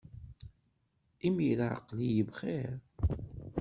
Imir-a aql-iyi bxir.